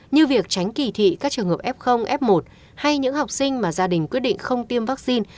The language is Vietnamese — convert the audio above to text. như việc tránh kỳ thị các trường hợp f f một hay những học sinh mà gia đình quyết định không tiêm vaccine